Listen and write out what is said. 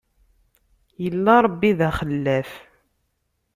Illa Ṛebbi d axellaf.